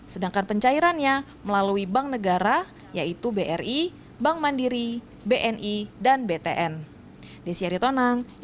sedangkan pencairannya melalui bank negara yaitu bri bank mandiri bni dan btn